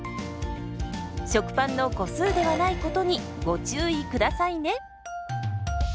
食パンの個数ではないことにご注意下さいね。